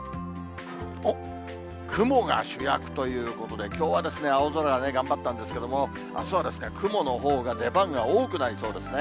雲が主役ということで、きょうは青空が頑張ったんですけれども、あすは雲のほうが出番が多くなりそうですね。